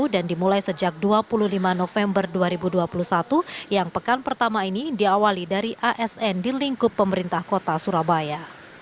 dan dimulai sejak dua puluh lima november dua ribu dua puluh satu yang pekan pertama ini diawali dari asn di lingkup pemerintah kota surabaya